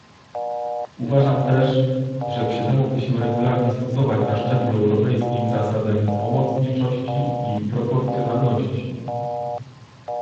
Uważam też, że przydałoby się regularnie stosować na szczeblu europejskim zasadę pomocniczości i proporcjonalności